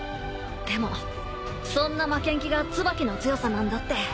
でもそんな負けん気がツバキの強さなんだって